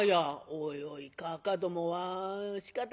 「おいおいかあかどもはしかたがないな」。